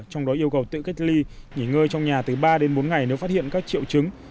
trong đó yêu cầu tự cách ly nghỉ ngơi trong nhà từ ba đến bốn ngày nếu phát hiện các triệu chứng